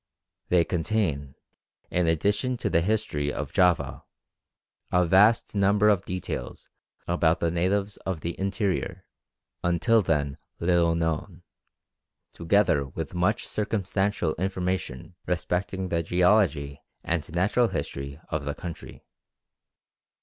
They contain, in addition to the history of Java, a vast number of details about the natives of the interior, until then little known, together with much circumstantial information respecting the geology and natural history of the country.